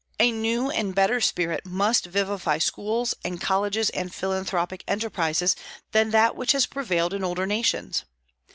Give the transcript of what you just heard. A new and better spirit must vivify schools and colleges and philanthropic enterprises than that which has prevailed in older nations.